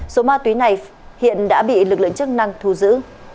số ma túy này hiện đã bị lực lượng chức năng thu giữ